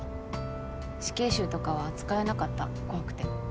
死刑囚とかは扱えなかった怖くて。